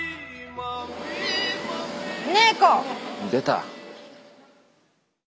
出た！